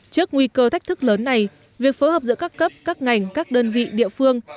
trước nguy cơ thách thức lớn này việc phối hợp giữa các cấp các ngành các đơn vị địa phương